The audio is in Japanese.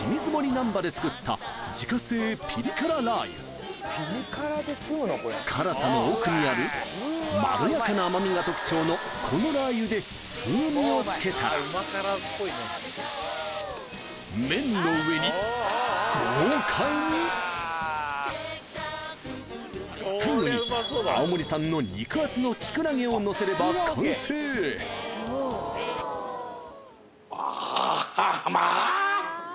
ナンバで作った辛さの奥にあるまろやかな甘みが特徴のこのラー油で風味をつけたら麺の上に豪快に最後に青森産の肉厚のキクラゲをのせれば完成アーハッハッまあ！